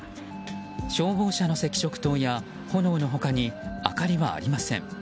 消防車の赤色灯や炎の他に明かりはありません。